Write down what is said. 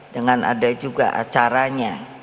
dengan ada juga acaranya